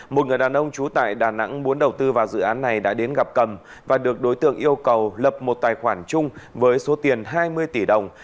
một người đàn ông trú tại đà nẵng muốn đầu tư vào dự án này đã đến gặp cầm và được đối tượng yêu cầu lập một tài khoản chung với số tiền hai mươi tỷ đồng